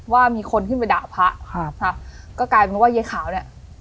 ว่ามีคนขึ้นไปด่าพระครับค่ะก็กลายเป็นว่ายายขาวเนี่ย